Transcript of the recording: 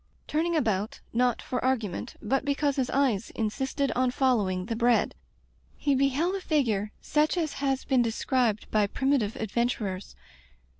Turning about, not for argument, but because his eyes insisted on following the bread, he beheld a figure such as has been described by primitive adventurers.